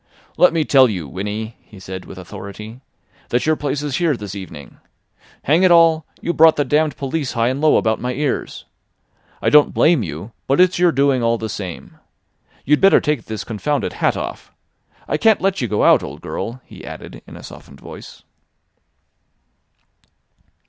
"Let me tell you, Winnie," he said with authority, "that your place is here this evening. Hang it all! you brought the damned police high and low about my ears. I don't blame you—but it's your doing all the same. You'd better take this confounded hat off. I can't let you go out, old girl," he added in a softened voice.